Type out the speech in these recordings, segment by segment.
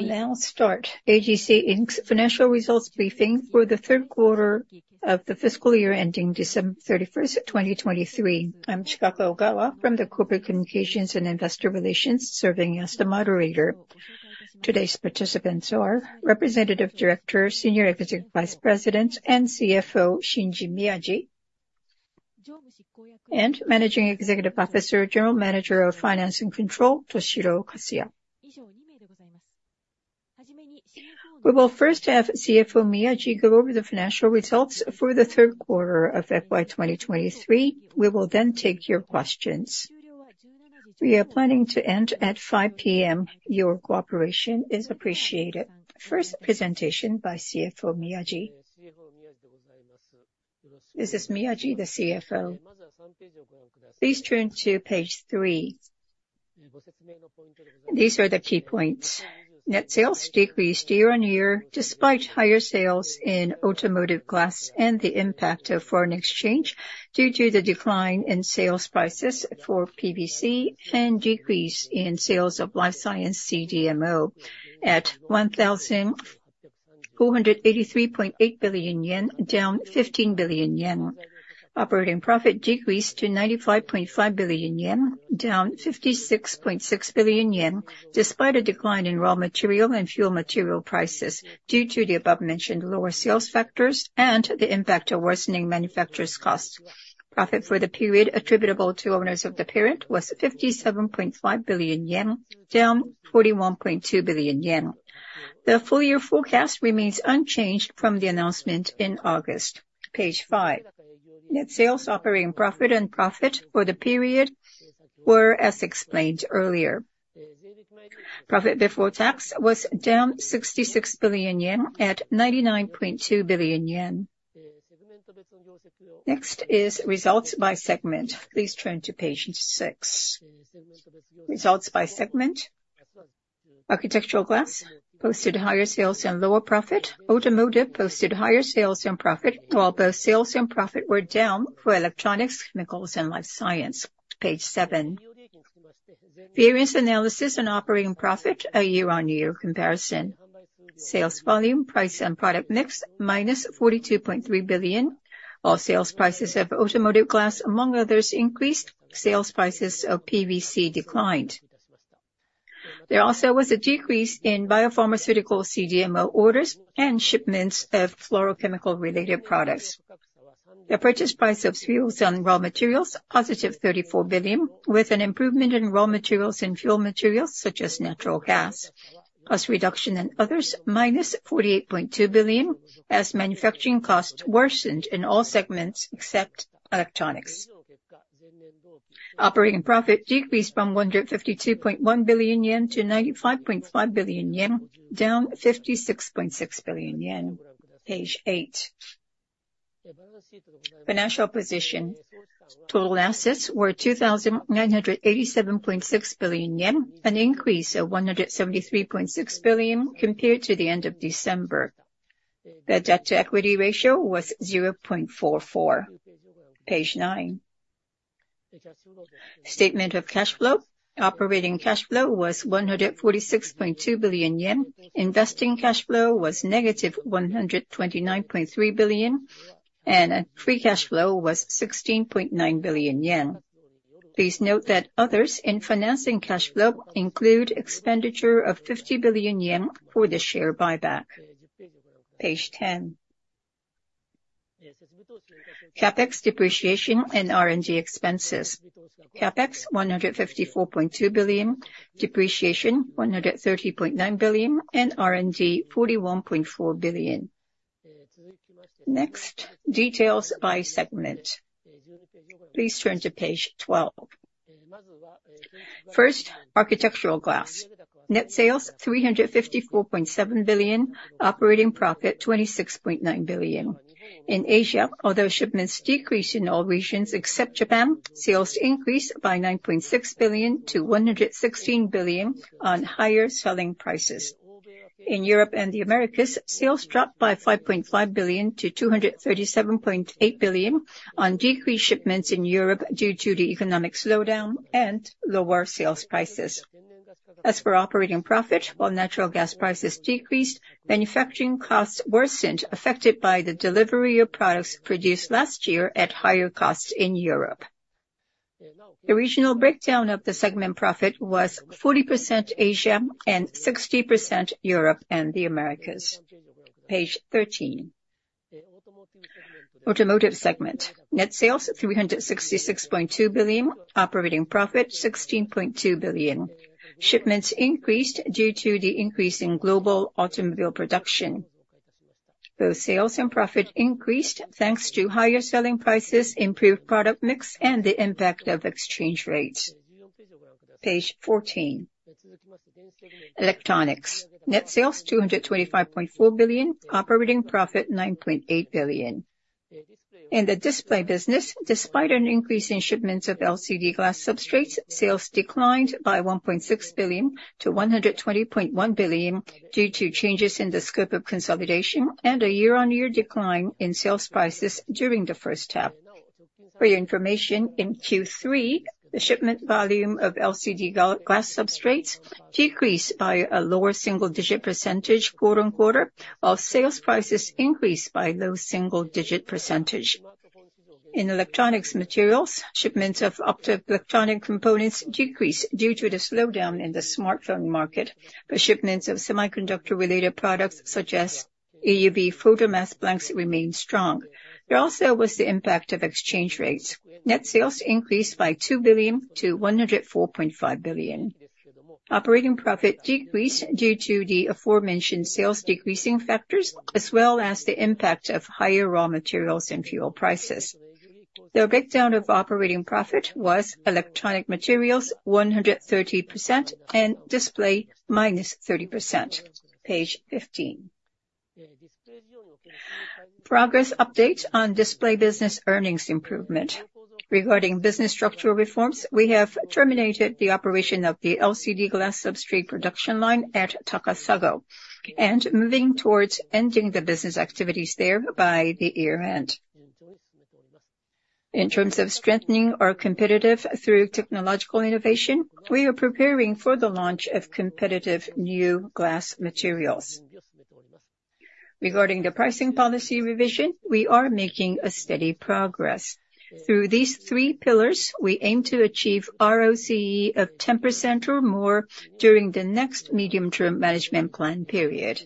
We'll now start AGC Inc.'s financial results briefing for the third quarter of the fiscal year ending December 31, 2023. I'm Chikako Ogawa from the Corporate Communications and Investor Relations, serving as the moderator. Today's participants are Representative Director, Senior Executive Vice President, and CFO, Shinji Miyaji, and Managing Executive Officer, General Manager of Finance and Control, Toshiro Kasuya. We will first have CFO Miyaji go over the financial results for the third quarter of FY 2023. We will then take your questions. We are planning to end at 5:00 P.M. Your cooperation is appreciated. First presentation by CFO Miyaji. This is Miyaji, the CFO. Please turn to page 3. These are the key points. Net sales decreased year-on-year, despite higher sales in Automotive Glass and the impact of foreign exchange, due to the decline in sales prices for PVC and decrease in sales of Life Science CDMO at 1,483.8 billion yen, down 15 billion yen. Operating profit decreased to 95.5 billion yen, down 56.6 billion yen, despite a decline in raw material and fuel material prices due to the above mentioned lower sales factors and the impact of worsening manufacturing costs. Profit for the period attributable to owners of the parent was 57.5 billion yen, down 41.2 billion yen. The full year forecast remains unchanged from the announcement in August. Page 5. Net sales, operating profit and profit for the period were as explained earlier. Profit before tax was down 66 billion yen at 99.2 billion yen. Next is results by segment. Please turn to page 6. Results by segment. Architectural Glass posted higher sales and lower profit. Automotive posted higher sales and profit, while both sales and profit were down for Electronics, Chemicals, and Life Science. Page 7. Variance analysis and operating profit, a year-on-year comparison. Sales volume, price and product mix, -42.3 billion, while sales prices of Automotive Glass, among others, increased, sales prices of PVC declined. There also was a decrease in Biopharmaceutical CDMO orders and shipments of fluorochemical-related products. The purchase price of fuels and raw materials, +34 billion, with an improvement in raw materials and fuel materials, such as natural gas. Cost reduction and others, -48.2 billion, as manufacturing costs worsened in all segments except electronics. Operating profit decreased from 152.1 billion yen to 95.5 billion yen, down 56.6 billion yen. Page 8. Financial position. Total assets were 2,987.6 billion yen, an increase of 173.6 billion compared to the end of December. The debt-to-equity ratio was 0.44. Page 9. Statement of cash flow. Operating cash flow was 146.2 billion yen. Investing cash flow was negative 129.3 billion, and free cash flow was 16.9 billion yen. Please note that others in financing cash flow include expenditure of 50 billion yen for the share buyback. Page 10. CapEx, depreciation, and R&D expenses. CapEx, JPY 154.2 billion, depreciation, JPY 130.9 billion, and R&D, JPY 41.4 billion. Next, details by segment. Please turn to page 12. First, Architectural Glass. Net sales, 354.7 billion, operating profit, 26.9 billion. In Asia, although shipments decreased in all regions except Japan, sales increased by 9.6 billion to 116 billion on higher selling prices. In Europe and the Americas, sales dropped by 5.5 billion to 237.8 billion on decreased shipments in Europe due to the economic slowdown and lower sales prices. As for operating profit, while natural gas prices decreased, manufacturing costs worsened, affected by the delivery of products produced last year at higher costs in Europe. The regional breakdown of the segment profit was 40% Asia and 60% Europe and the Americas. Page 13. Automotive segment. Net sales, 366.2 billion, operating profit, 16.2 billion. Shipments increased due to the increase in global automobile production. Both sales and profit increased, thanks to higher selling prices, improved product mix, and the impact of exchange rates. Page 14. Electronics. Net sales, 225.4 billion, operating profit, 9.8 billion. In the Display business, despite an increase in shipments of LCD Glass Substrates, sales declined by 1.6 billion to 120.1 billion, due to changes in the scope of consolidation and a year-on-year decline in sales prices during the first half. For your information, in Q3, the shipment volume of LCD Glass Substrates decreased by a lower single digit percentage quarter-on-quarter, while sales prices increased by low single digit percentage. In Electronic Materials, shipments of Optoelectronic Components decreased due to the slowdown in the smartphone market, but shipments of semiconductor-related products, such as EUV Photomask Blanks, remained strong. There also was the impact of exchange rates. Net sales increased by 2 billion to 104.5 billion. Operating profit decreased due to the aforementioned sales decreasing factors, as well as the impact of higher raw materials and fuel prices. The breakdown of operating profit was Electronic Materials 130% and Display -30%. Page 15. Progress update on Display business earnings improvement. Regarding business structural reforms, we have terminated the operation of the LCD Glass Substrate production line at Takasago, and moving towards ending the business activities there by the year end. In terms of strengthening our competitiveness through technological innovation, we are preparing for the launch of competitive new glass materials. Regarding the pricing policy revision, we are making steady progress. Through these three pillars, we aim to achieve ROCE of 10% or more during the next medium-term management plan period.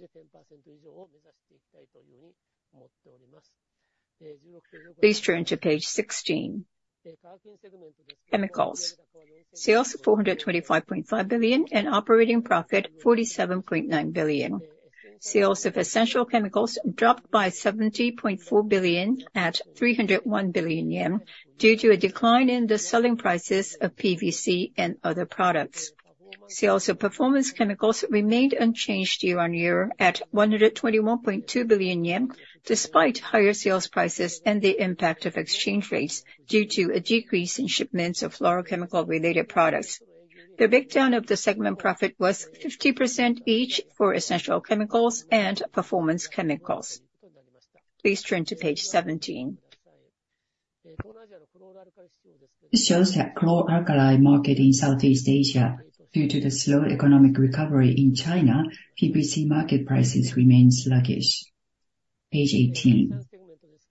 Please turn to page 16. Chemicals. Sales of 425.5 billion, and operating profit 47.9 billion. Sales of Essential Chemicals dropped by 70.4 billion at 301 billion yen, due to a decline in the selling prices of PVC and other products. Sales of Performance Chemicals remained unchanged year-on-year, at 121.2 billion yen, despite higher sales prices and the impact of exchange rates, due to a decrease in shipments of fluorochemical-related products. The breakdown of the segment profit was 50% each for Essential Chemicals and Performance Chemicals. Please turn to page 17. This shows that chlor-alkali market in Southeast Asia, due to the slow economic recovery in China, PVC market prices remain sluggish. Page 18.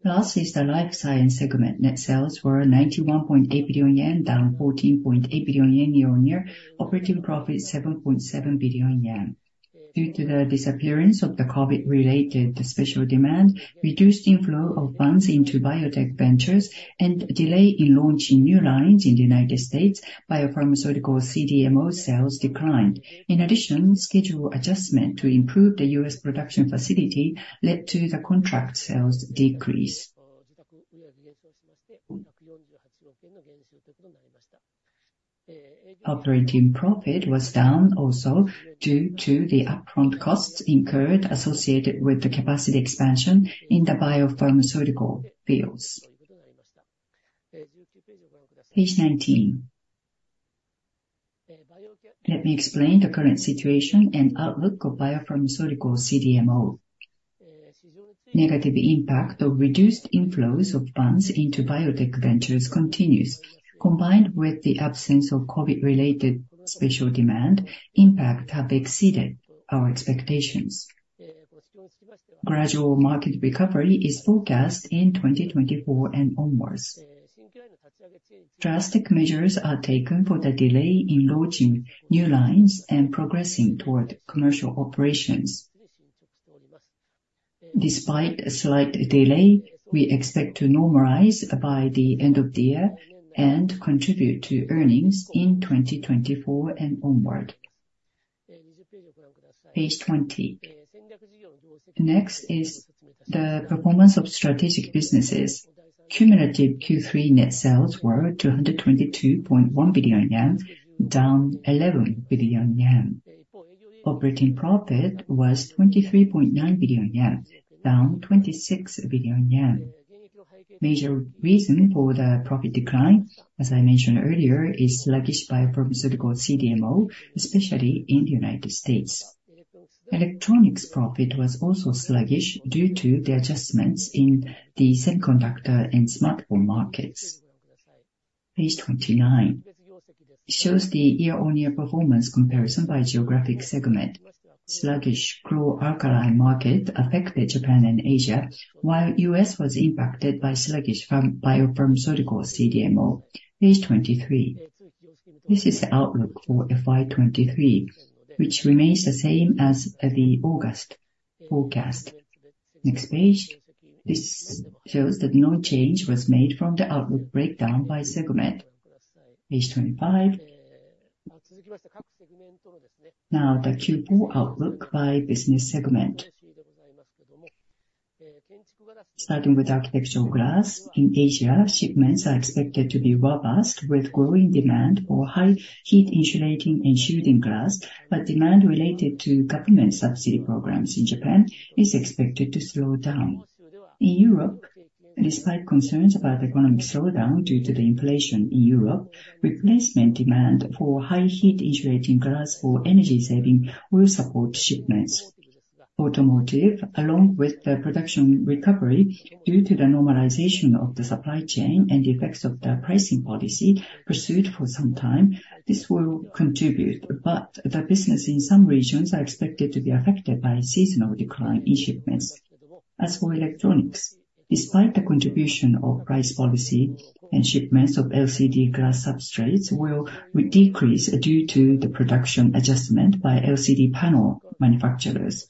Last is the Life Science segment. Net sales were 91.8 billion yen, down 14.8 billion yen year-on-year. Operating profit, 7.7 billion yen. Due to the disappearance of the COVID-related special demand, reduced inflow of funds into biotech ventures, and delay in launching new lines in the United States, Biopharmaceutical CDMO sales declined. In addition, schedule adjustment to improve the U.S. production facility led to the contract sales decrease. Operating profit was down also due to the upfront costs incurred associated with the capacity expansion in the biopharmaceutical fields. Page 19. Let me explain the current situation and outlook of Biopharmaceutical CDMO. Negative impact of reduced inflows of funds into biotech ventures continues. Combined with the absence of COVID-related special demand, impacts have exceeded our expectations. Gradual market recovery is forecast in 2024 and onwards. Drastic measures are taken for the delay in launching new lines and progressing toward commercial operations. Despite a slight delay, we expect to normalize by the end of the year and contribute to earnings in 2024 and onward. Page 20. Next is the performance of Strategic Businesses. Cumulative Q3 net sales were 222.1 billion yen, down 11 billion yen. Operating profit was 23.9 billion yen, down 26 billion yen. Major reason for the profit decline, as I mentioned earlier, is sluggish Biopharmaceutical CDMO, especially in the United States. Electronics profit was also sluggish due to the adjustments in the semiconductor and smartphone markets. Page 29 shows the year-on-year performance comparison by geographic segment. Sluggish chlor-alkali market affected Japan and Asia, while U.S. was impacted by sluggish Biopharmaceutical CDMO. Page 23. This is the outlook for FY 2023, which remains the same as the August forecast. Next page. This shows that no change was made from the outlook breakdown by segment. Page 25. Now, the Q4 outlook by business segment. Starting with Architectural Glass, in Asia, shipments are expected to be robust with growing demand for high heat insulating and shielding glass, but demand related to government subsidy programs in Japan is expected to slow down. In Europe, despite concerns about economic slowdown due to the inflation in Europe, replacement demand for high heat insulating glass for energy saving will support shipments.... Automotive, along with the production recovery due to the normalization of the supply chain and the effects of the pricing policy pursued for some time, this will contribute, but the business in some regions are expected to be affected by seasonal decline in shipments. As for Electronics, despite the contribution of price policy and shipments of LCD Glass Substrates will decrease due to the production adjustment by LCD panel manufacturers.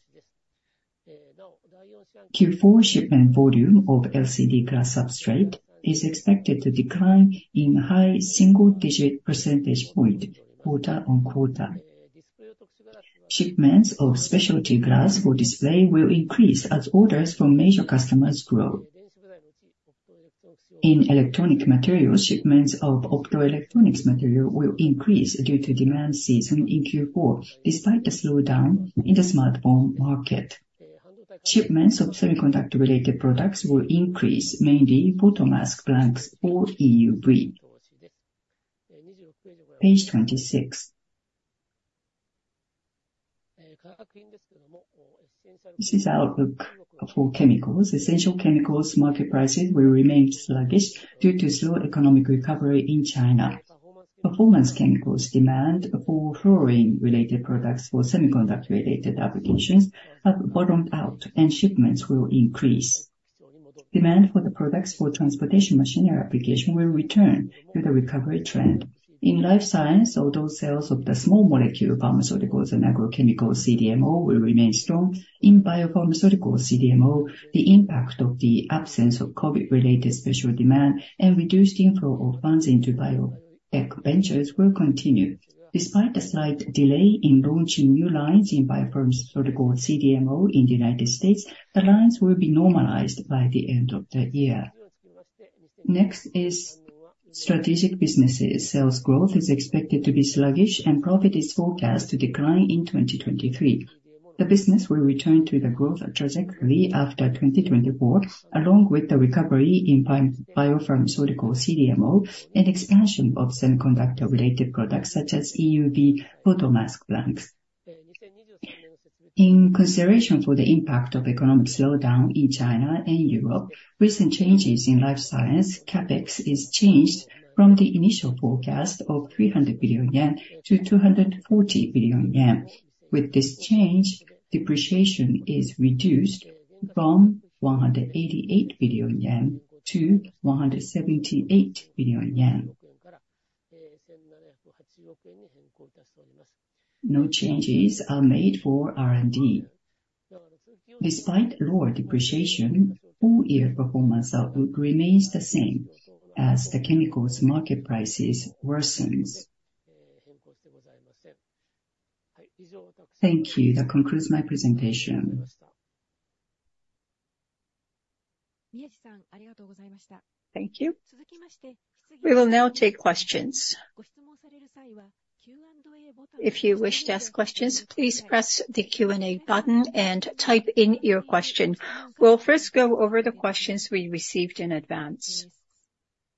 Q4 shipment volume of LCD Glass Substrate is expected to decline in high single digit percentage point quarter-on-quarter. Shipments of specialty glass for Display will increase as orders from major customers grow. In Electronic Materials, shipments of Optoelectronic Materials will increase due to demand season in Q4, despite the slowdown in the smartphone market. Shipments of semiconductor-related products will increase, mainly photomask blanks for EUV. Page 26. This is outlook for Chemicals. Essential Chemicals market prices will remain sluggish due to slow economic recovery in China. Performance Chemicals demand for fluorine-related products for semiconductor-related applications have bottomed out, and shipments will increase. Demand for the products for transportation machinery application will return to the recovery trend. In Life Science, although sales of the small molecule pharmaceuticals and agrochemicals CDMO will remain strong. In Biopharmaceutical CDMO, the impact of the absence of COVID-related special demand and reduced inflow of funds into biotech ventures will continue. Despite a slight delay in launching new lines in Biopharmaceutical CDMO in the United States, the lines will be normalized by the end of the year. Next is Strategic Businesses. Sales growth is expected to be sluggish, and profit is forecast to decline in 2023. The business will return to the growth trajectory after 2024, along with the recovery in Biopharmaceutical CDMO and expansion of semiconductor-related products such as EUV Photomask Blanks. In consideration for the impact of economic slowdown in China and Europe, recent changes in Life Science, CapEx is changed from the initial forecast of 300 billion yen to 240 billion yen. With this change, depreciation is reduced from 188 billion yen to 178 billion yen. No changes are made for R&D. Despite lower depreciation, full year performance outlook remains the same as the chemicals market prices worsens. Thank you. That concludes my presentation. Thank you. We will now take questions. If you wish to ask questions, please press the Q&A button and type in your question. We'll first go over the questions we received in advance.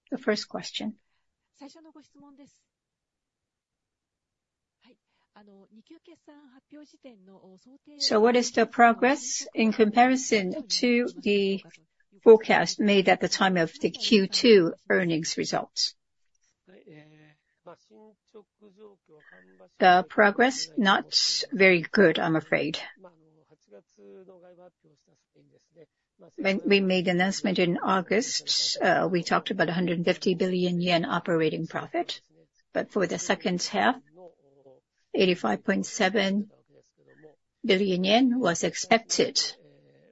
The first question. So what is the progress in comparison to the forecast made at the time of the Q2 earnings results? The progress, not very good, I'm afraid. When we made announcement in August, we talked about 150 billion yen operating profit, but for the second half, 85.7 billion yen was expected,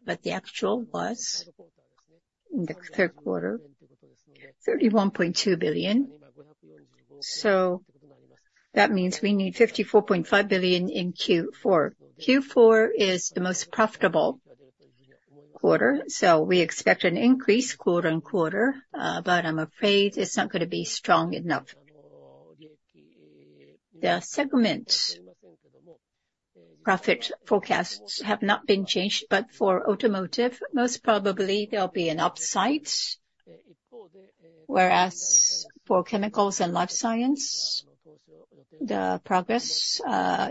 but the actual was in the third quarter, 31.2 billion. So that means we need 54.5 billion in Q4. Q4 is the most profitable quarter, so we expect an increase quarter on quarter, but I'm afraid it's not going to be strong enough. The segment profit forecasts have not been changed, but for Automotive, most probably there'll be an upside. Whereas for Chemicals and Life Science, the progress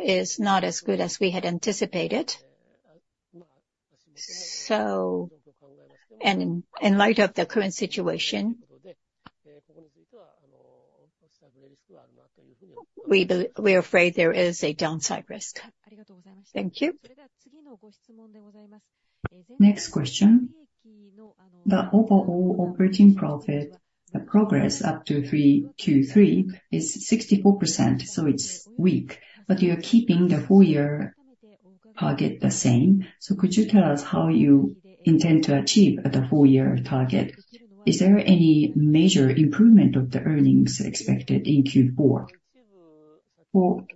is not as good as we had anticipated. So... in light of the current situation, we are afraid there is a downside risk. Thank you. Next question. The overall operating profit, the progress up to Q3 is 64%, so it's weak, but you're keeping the full year target the same. So could you tell us how you intend to achieve the full year target? Is there any major improvement of the earnings expected in Q4? Well,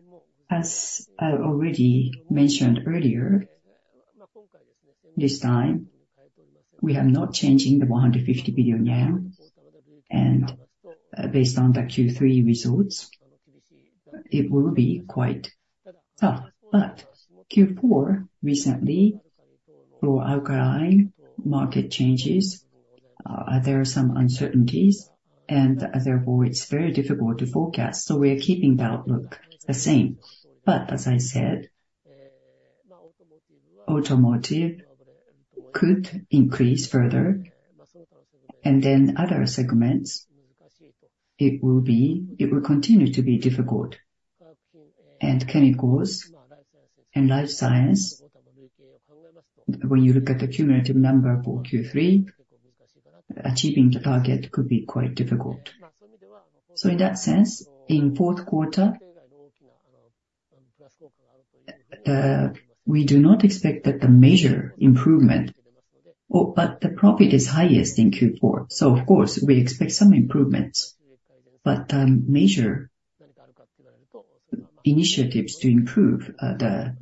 as I already mentioned earlier, this time, we are not changing the 150 billion yen, and based on the Q3 results, it will be quite tough. But Q4, recently, for chlor-alkali market changes, there are some uncertainties, and therefore, it's very difficult to forecast, so we are keeping the outlook the same. But as I said, automotive could increase further, and then other segments, it will continue to be difficult. And Chemicals and Life Science, when you look at the cumulative number for Q3, achieving the target could be quite difficult. So in that sense, in fourth quarter, we do not expect that the major improvement, or but the profit is highest in Q4. So of course, we expect some improvements, but major initiatives to improve the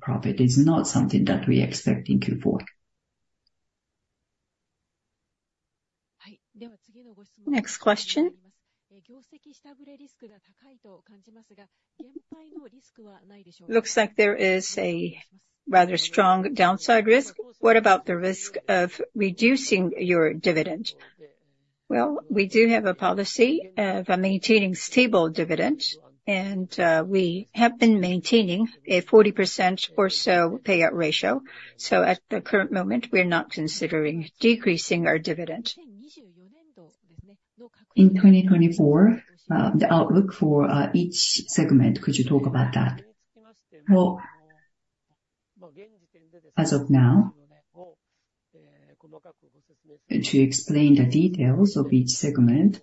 profit is not something that we expect in Q4. Next question. Looks like there is a rather strong downside risk. What about the risk of reducing your dividend? Well, we do have a policy of maintaining stable dividend, and, we have been maintaining a 40% or so payout ratio. So at the current moment, we're not considering decreasing our dividend. In 2024, the outlook for each segment, could you talk about that? Well, as of now, to explain the details of each segment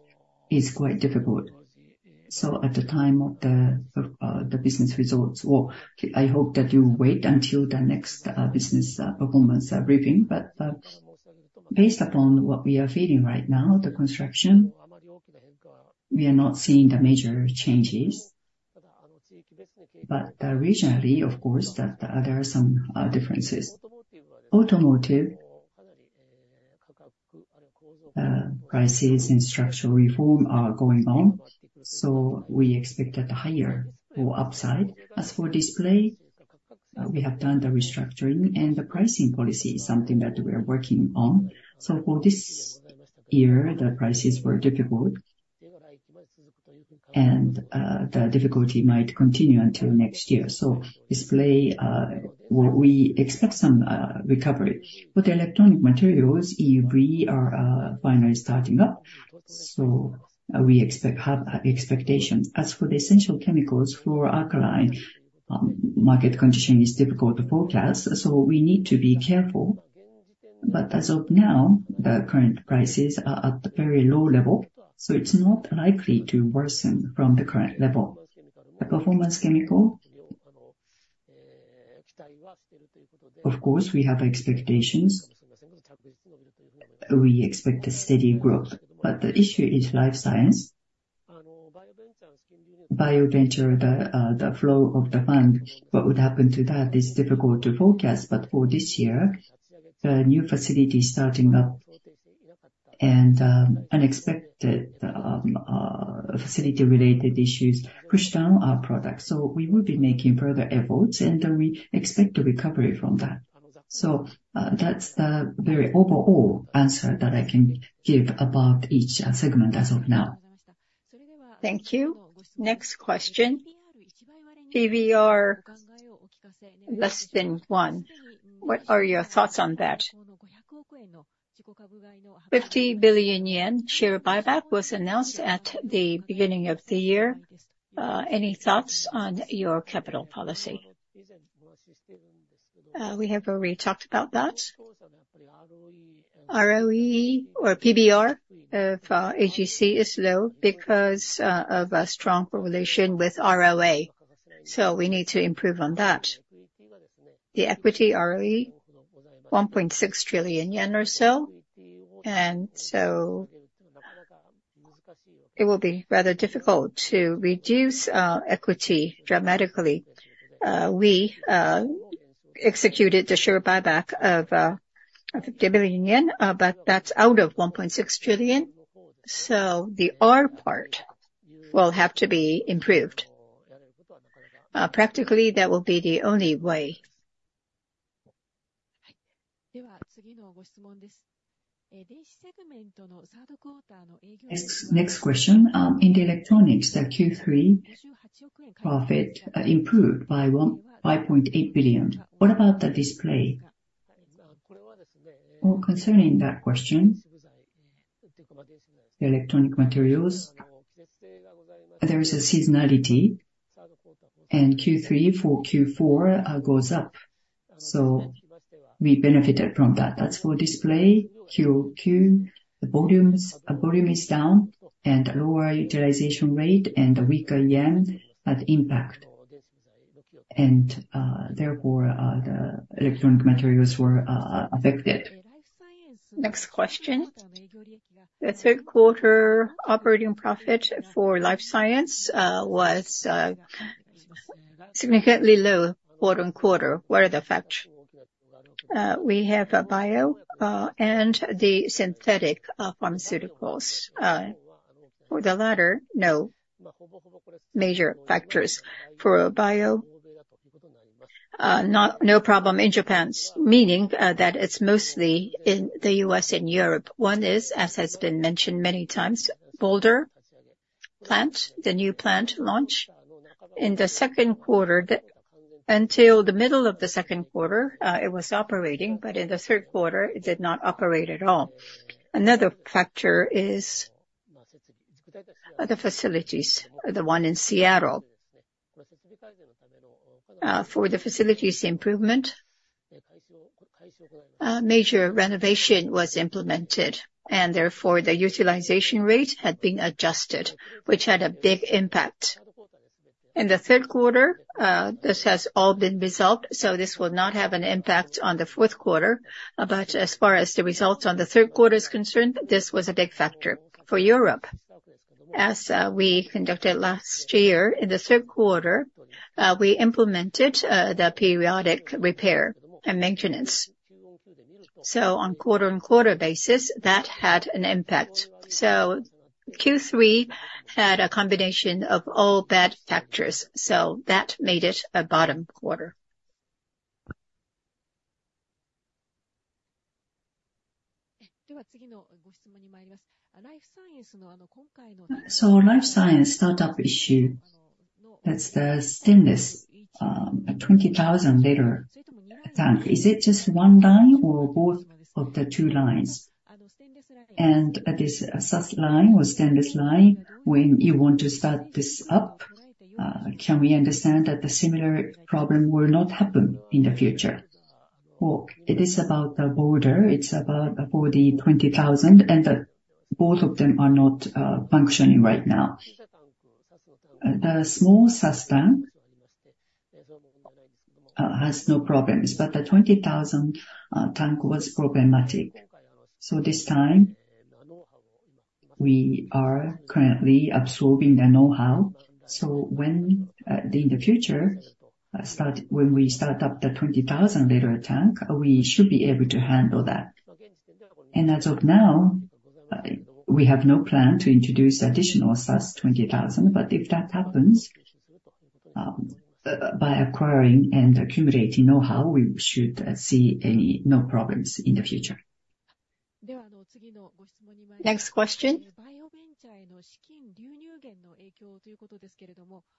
is quite difficult. So at the time of the business results, well, I hope that you wait until the next business performance briefing. But based upon what we are feeling right now, the construction, we are not seeing the major changes. Regionally, of course, there are some differences. Automotive prices and structural reform are going on, so we expect that higher or upside. As for Display, we have done the restructuring, and the pricing policy is something that we are working on. So for this year, the prices were difficult, and the difficulty might continue until next year. So Display, well, we expect some recovery. For the Electronic Materials, EVs are finally starting up, so we have expectations. As for the Essential Chemicals, chlor-alkali, market condition is difficult to forecast, so we need to be careful. But as of now, the current prices are at a very low level, so it's not likely to worsen from the current level. The Performance Chemicals... Of course, we have expectations. We expect a steady growth, but the issue is Life Science. Bio-venture, the, the flow of the fund, what would happen to that is difficult to forecast, but for this year, the new facility starting up and, unexpected, facility related issues, push down our products. So we will be making further efforts, and then we expect to recover from that. So, that's the very overall answer that I can give about each segment as of now. Thank you. Next question. PBR less than one. What are your thoughts on that? 50 billion yen share buyback was announced at the beginning of the year. Any thoughts on your capital policy? We have already talked about that. ROE or PBR of AGC is low because of a strong correlation with ROA, so we need to improve on that. The equity ROE, 1.6 trillion yen or so, and so it will be rather difficult to reduce equity dramatically. We executed the share buyback of, I think a billion yen, but that's out of 1.6 trillion, so the R part will have to be improved. Practically, that will be the only way. Next, next question. In the electronics, the Q3 profit improved by 15.8 billion. What about the Display? Well, concerning that question, Electronic Materials, there is a seasonality, and Q3 for Q4 goes up, so we benefited from that. As for Display, QQ, the volumes, volume is down, and lower utilization rate and a weaker yen had impact. Therefore, the Electronic Materials were affected. Next question. The third quarter operating profit for Life Science was significantly low quarter on quarter. What are the facts? We have a bio and the synthetic pharmaceuticals. For the latter, no major factors. For bio, no problem in Japan, meaning that it's mostly in the U.S. and Europe. One is, as has been mentioned many times, Boulder plant, the new plant launch. In the second quarter, until the middle of the second quarter, it was operating, but in the third quarter, it did not operate at all. Another factor is the facilities, the one in Seattle. For the facilities improvement, a major renovation was implemented, and therefore, the utilization rate had been adjusted, which had a big impact. In the third quarter, this has all been resolved, so this will not have an impact on the fourth quarter. But as far as the results on the third quarter is concerned, this was a big factor. For Europe, as we conducted last year, in the third quarter, we implemented the periodic repair and maintenance. So on quarter-over-quarter basis, that had an impact. So Q3 had a combination of all bad factors, so that made it a bottom quarter. So Life Science startup issue, that's the stainless 20,000-liter tank. Is it just one line or both of the two lines? And this SUS line or stainless line, when you want to start this up, can we understand that the similar problem will not happen in the future? Well, it is about the Boulder. It's about 40, 20,000, and the both of them are not functioning right now. The small SUS tank has no problems, but the 20,000 tank was problematic. So this time, we are currently absorbing the know-how. So when in the future, when we start up the 20,000-liter tank, we should be able to handle that. And as of now, we have no plan to introduce additional SUS 20,000, but if that happens, by acquiring and accumulating know-how, we should see no problems in the future. Next question.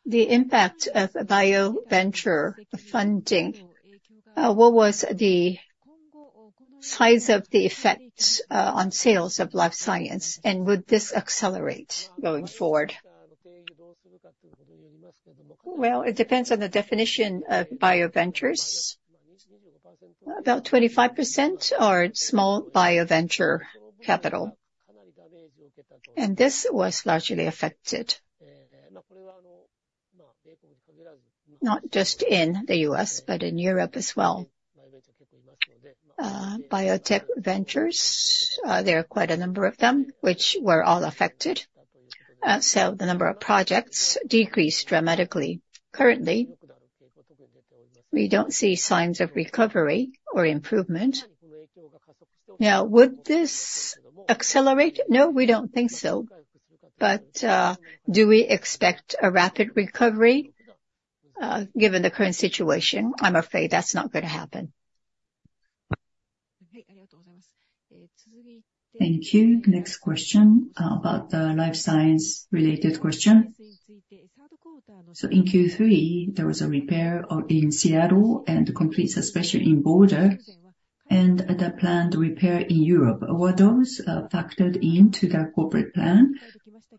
The impact of bioventure funding, what was the size of the effects on sales of Life Science, and would this accelerate going forward? Well, it depends on the definition of bioventures. About 25% are small bioventure capital, and this was largely affected. Not just in the U.S., but in Europe as well. Biotech ventures, there are quite a number of them which were all affected, so the number of projects decreased dramatically. Currently, we don't see signs of recovery or improvement. Now, would this accelerate? No, we don't think so. But, do we expect a rapid recovery, given the current situation? I'm afraid that's not going to happen. Thank you. Next question about theLife Science related question. So in Q3, there was a repair in Seattle and delays, especially in Boulder, and the planned repair in Europe. Were those factored into the corporate plan?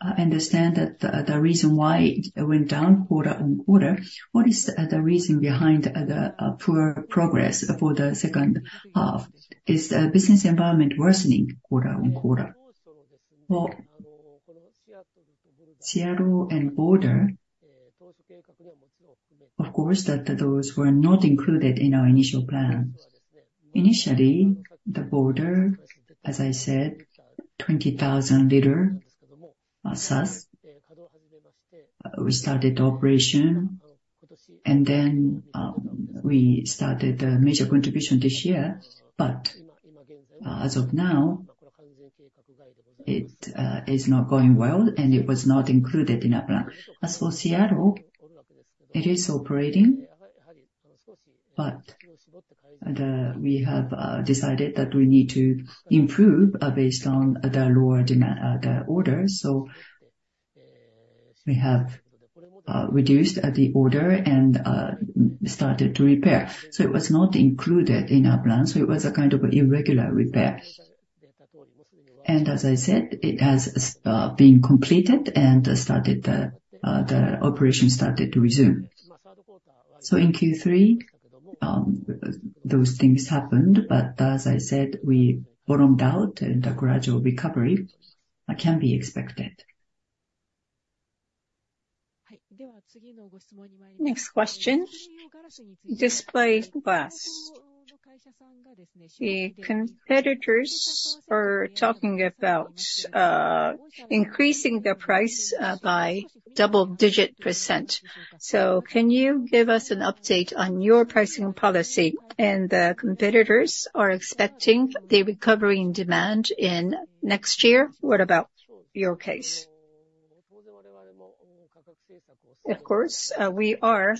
I understand that the reason why it went down quarter-over-quarter, What is the reason behind the poor progress for the second half? Is the business environment worsening quarter-over-quarter? Well, Seattle and Boulder, of course, that those were not included in our initial plan. Initially, the Boulder, as I said, 20,000-liter SUS, we started operation, and then we started a major contribution this year. But as of now, it is not going well, and it was not included in our plan. As for Seattle, it is operating, we have decided that we need to improve based on the lower demand the order. So we have reduced the order and started to repair. So it was not included in our plan, so it was a kind of irregular repair. And as I said, it has been completed and started the the operation started to resume. So in Q3, those things happened, but as I said, we bottomed out and a gradual recovery can be expected. Next question. Display glass. The competitors are talking about increasing their price by double-digit %. So can you give us an update on your pricing policy? And the competitors are expecting the recovery in demand in next year. What about your case? Of course, we are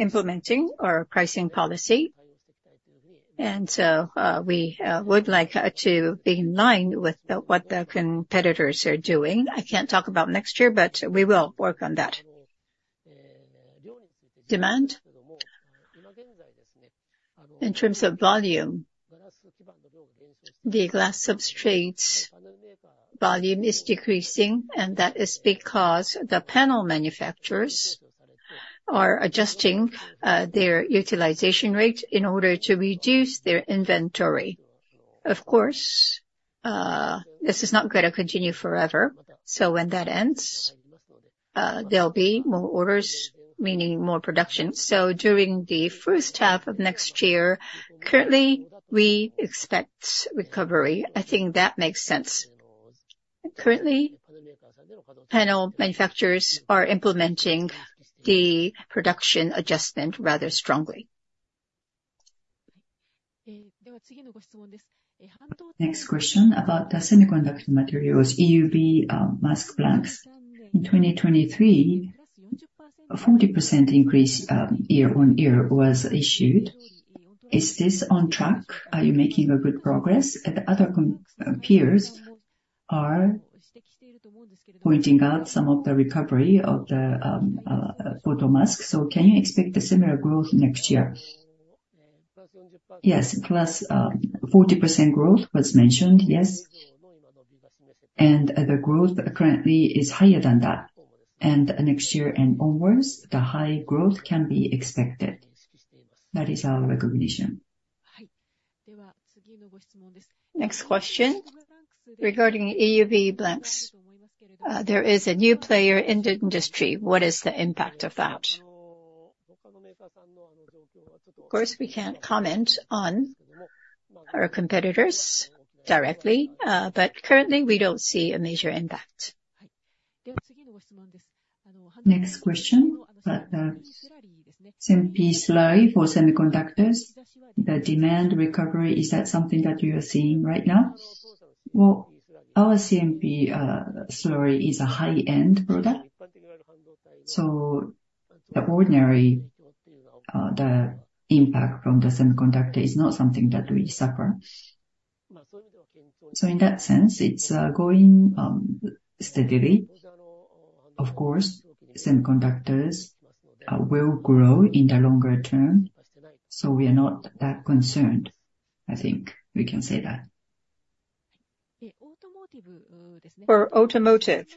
implementing our pricing policy, and so, we would like to be in line with the what the competitors are doing. I can't talk about next year, but we will work on that. Demand, in terms of volume, the glass substrates volume is decreasing, and that is because the panel manufacturers are adjusting their utilization rate in order to reduce their inventory. Of course, this is not going to continue forever, so when that ends, there'll be more orders, meaning more production. So during the first half of next year, currently, we expect recovery. I think that makes sense. Currently, panel manufacturers are implementing the production adjustment rather strongly. Next question, about the semiconductor materials, EUV mask blanks. In 2023, a 40% increase year-on-year was issued. Is this on track? Are you making a good progress? And the other competitors are pointing out some of the recovery of the photomask, so can you expect a similar growth next year? Yes, plus, 40% growth was mentioned, yes. And the growth currently is higher than that, and next year and onwards, the high growth can be expected. That is our recognition. Next question, regarding EUV blanks, there is a new player in the industry. What is the impact of that? Of course, we can't comment on our competitors directly, but currently, we don't see a major impact. Next question, about the CMP slurry for semiconductors, the demand recovery, is that something that you are seeing right now? Well, our CMP slurry is a high-end product, so the ordinary, the impact from the semiconductor is not something that we suffer. So in that sense, it's going steadily. Of course, semiconductors will grow in the longer term, so we are not that concerned. I think we can say that. For automotive,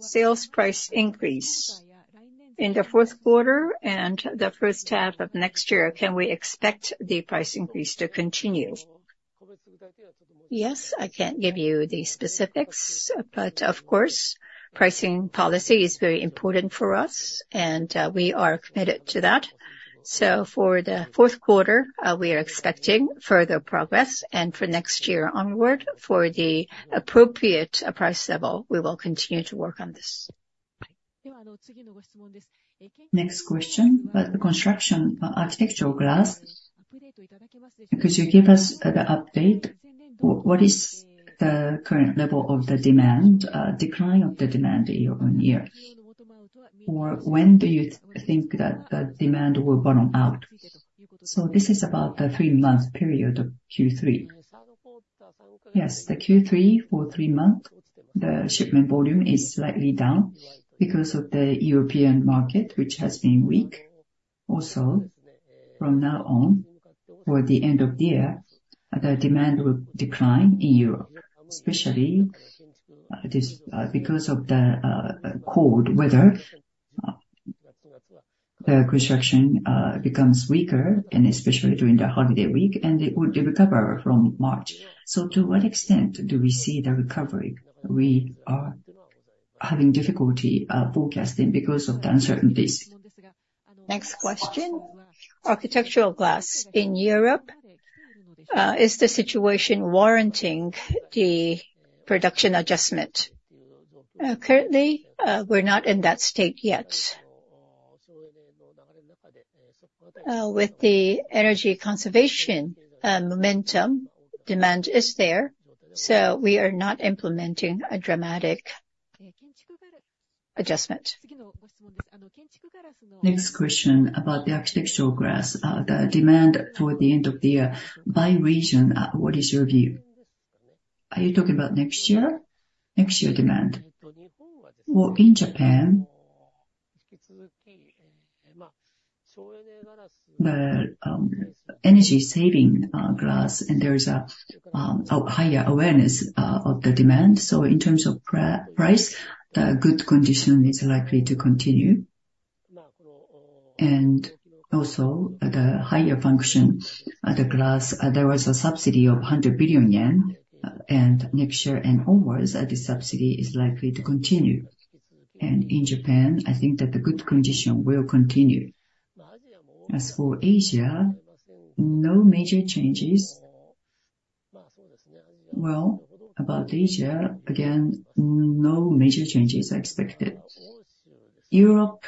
sales price increase in the fourth quarter and the first half of next year, can we expect the price increase to continue? Yes, I can't give you the specifics, but of course, pricing policy is very important for us, and we are committed to that. So for the fourth quarter, we are expecting further progress, and for next year onward, for the appropriate price level, we will continue to work on this. Next question, about the construction Architectural Glass, could you give us the update? What is the current level of the demand, decline of the demand year on year? Or when do you think that the demand will bottom out? So this is about the three-month period of Q3. Yes, the Q3 for three month, the shipment volume is slightly down because of the European market, which has been weak. Also, from now on, toward the end of the year, the demand will decline in Europe, especially this because of the cold weather, the construction becomes weaker, and especially during the holiday week, and it will recover from March. So to what extent do we see the recovery? We are having difficulty forecasting because of the uncertainties. Next question, Architectural Glass in Europe, is the situation warranting the production adjustment? Currently, we're not in that state yet. With the energy conservation momentum, demand is there, so we are not implementing a dramatic adjustment. Next question about the Architectural Glass. The demand toward the end of the year by region, what is your view? Are you talking about next year? Next year demand. Well, in Japan, the energy-saving glass, and there is a higher awareness of the demand. So in terms of price, the good condition is likely to continue. And also, the higher function glass, there was a subsidy of 100 billion yen, and next year and onwards, the subsidy is likely to continue. And in Japan, I think that the good condition will continue. As for Asia, no major changes. Well, about Asia, again, no major changes are expected. Europe.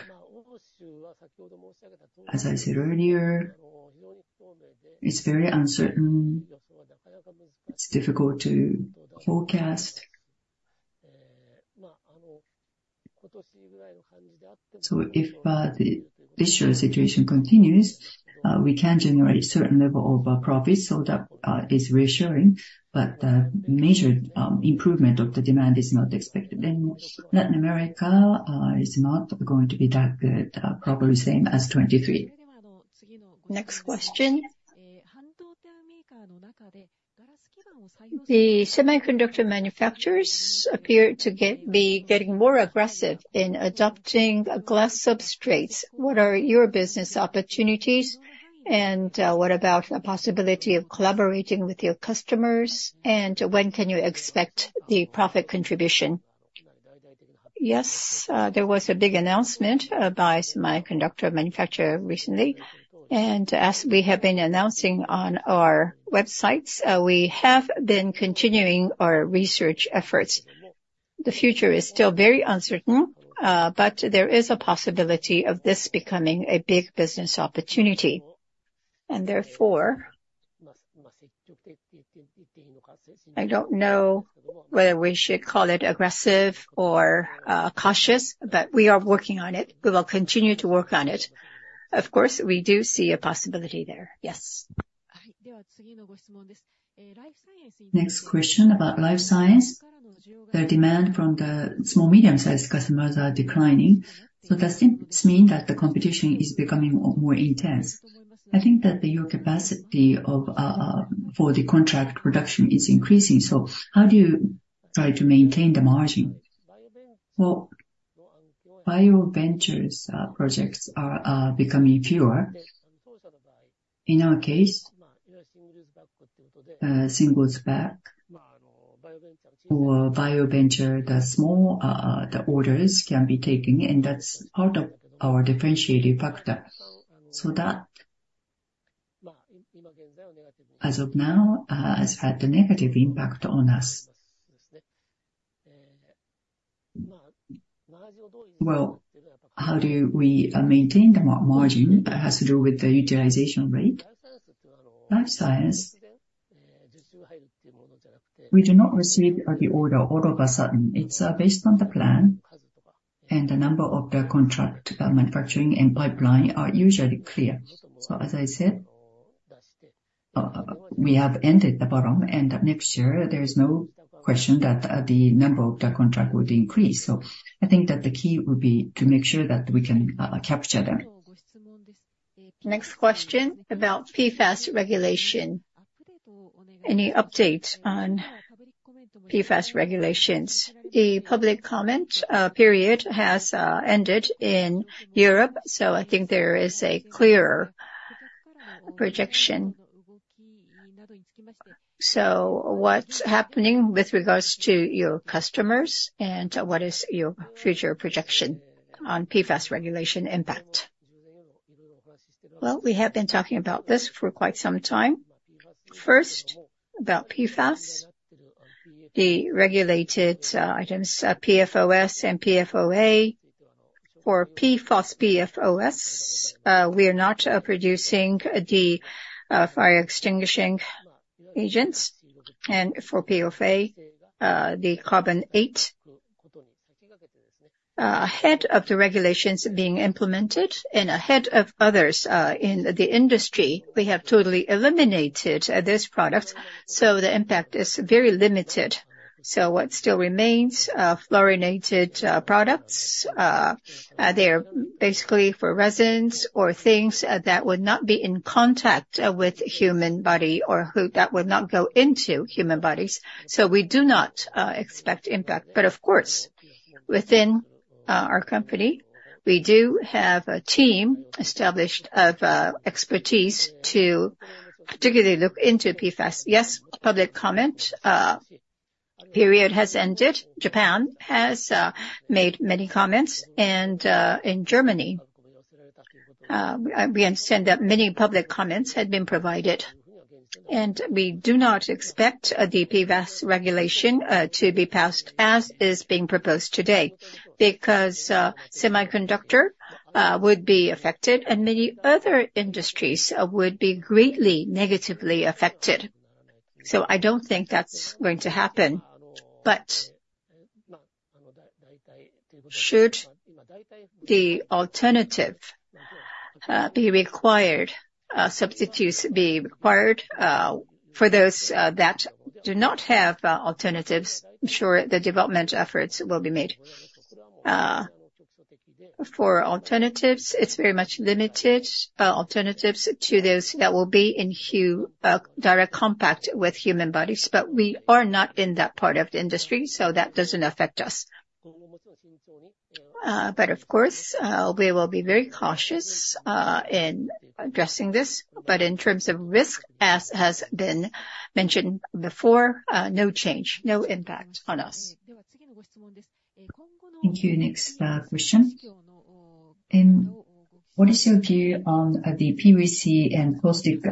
As I said earlier, it's very uncertain, it's difficult to forecast. So if the this year's situation continues, we can generate certain level of profits, so that is reassuring, but the major improvement of the demand is not expected. In Latin America is not going to be that good, probably same as 2023. Next question. The semiconductor manufacturers appear to be getting more aggressive in adopting glass substrates. What are your business opportunities, and what about the possibility of collaborating with your customers? And when can you expect the profit contribution? Yes, there was a big announcement by semiconductor manufacturer recently. And as we have been announcing on our websites, we have been continuing our research efforts. The future is still very uncertain, but there is a possibility of this becoming a big business opportunity. And therefore, I don't know whether we should call it aggressive or cautious, but we are working on it. We will continue to work on it. Of course, we do see a possibility there, yes. Next question about Life Science. The demand from the small, medium-sized customers are declining, so does this mean that the competition is becoming more intense? I think that your capacity of, for the contract reduction is increasing, so how do you try to maintain the margin? Well, bio-venture projects are becoming fewer. In our case, single batch or bio-venture, the small orders can be taken, and that's part of our differentiating factor. So that, as of now, has had a negative impact on us. Well, how do we maintain the margin? That has to do with the utilization rate. Life Science, we do not receive the order all of a sudden. It's based on the plan, and the number of the contract manufacturing and pipeline are usually clear. So as I said, we have hit the bottom, and next year there is no question that the number of the contract would increase. So I think that the key would be to make sure that we can capture them. Next question about PFAS regulation. Any update on PFAS regulations? The public comment period has ended in Europe, so I think there is a clear projection. So what's happening with regards to your customers, and what is your future projection on PFAS regulation impact? Well, we have been talking about this for quite some time. First, about PFAS, the regulated items, PFOS and PFOA. For PFOS, we are not producing the fire extinguishing agents. And for PFOA, the C8. Ahead of the regulations being implemented and ahead of others in the industry, we have totally eliminated this product, so the impact is very limited. So what still remains, fluorinated products, they're basically for resins or things that would not be in contact with human body or who, that would not go into human bodies. So we do not expect impact. But of course, within our company, we do have a team established of expertise to particularly look into PFAS. Yes, public comment period has ended. Japan has made many comments, and in Germany, we understand that many public comments had been provided. We do not expect the PFAS regulation to be passed as is being proposed today, because semiconductor would be affected and many other industries would be greatly negatively affected. So I don't think that's going to happen. But should the alternative be required, substitutes be required, for those that do not have alternatives, I'm sure the development efforts will be made. For alternatives, it's very much limited, alternatives to those that will be in direct contact with human bodies, but we are not in that part of the industry, so that doesn't affect us. But of course, we will be very cautious in addressing this. But in terms of risk, as has been mentioned before, no change, no impact on us. Thank you. Next, question. And what is your view on the PVC and caustic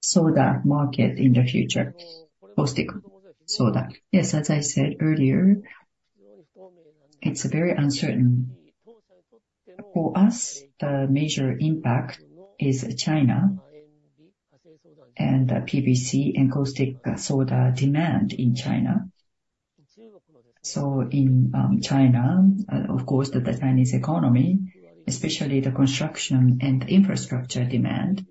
soda market in the future? Caustic soda. Yes, as I said earlier,... It's very uncertain. For us, the major impact is China and the PVC and caustic soda demand in China. So in China, of course, the Chinese economy, especially the construction and infrastructure demand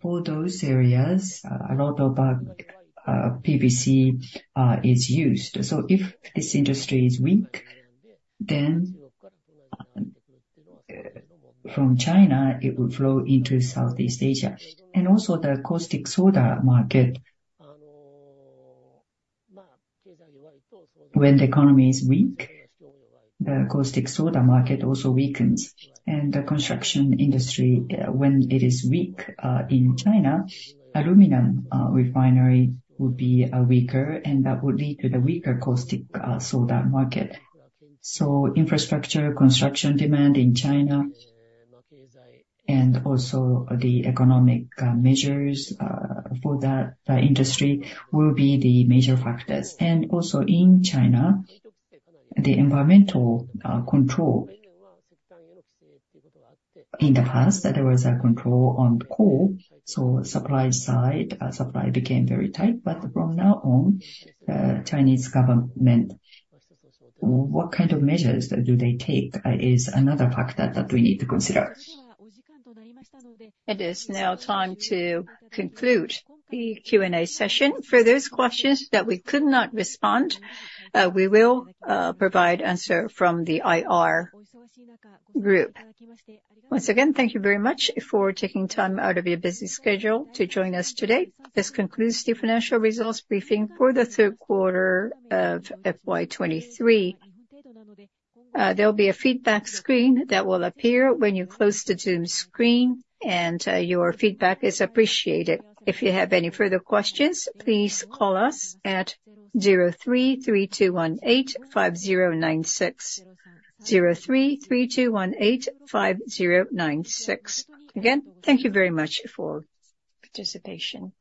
for those areas, a lot of PVC is used. So if this industry is weak, then from China, it will flow into Southeast Asia. And also the caustic soda market. When the economy is weak, the caustic soda market also weakens, and the construction industry when it is weak in China, aluminum refinery will be weaker, and that would lead to the weaker caustic soda market. So infrastructure, construction demand in China and also the economic measures for that industry will be the major factors. And also in China, the environmental control. In the past, there was a control on coal, so supply side, supply became very tight. But from now on, the Chinese government, what kind of measures do they take, is another factor that we need to consider. It is now time to conclude the Q&A session. For those questions that we could not respond, we will provide answer from the IR group. Once again, thank you very much for taking time out of your busy schedule to join us today. This concludes the financial results briefing for the third quarter of FY 2023. There will be a feedback screen that will appear when you close the Zoom screen, and your feedback is appreciated. If you have any further questions, please call us at 03-3218-5096. 03-3218-5096. Again, thank you very much for participation.